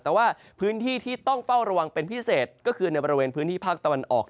แต่ว่าพื้นที่ที่ต้องเฝ้าระวังเป็นพิเศษก็คือในบริเวณพื้นที่ภาคตะวันออก